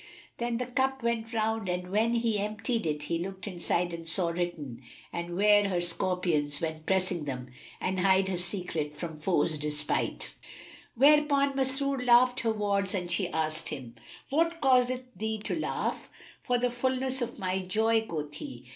Then the cup went round and when he emptied it he looked inside and saw written, "And 'ware her Scorpions when pressing them, * And hide her secrets from foes' despight." Whereupon Masrur laughed her wards and she asked him, "What causeth thee to laugh?" "For the fulness of my joy," quoth he.